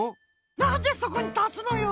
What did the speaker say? なんでそこにたすのよ！